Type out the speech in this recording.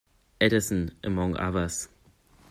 Eddison, among others.